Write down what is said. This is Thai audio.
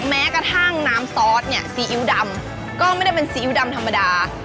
แม้กระทั่งน้ำซอสเนี่ยซีอิ๊วดำก็ไม่ได้เป็นซีอิ๊วดำธรรมดา